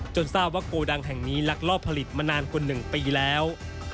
ทราบว่าโกดังแห่งนี้ลักลอบผลิตมานานกว่า๑ปีแล้ว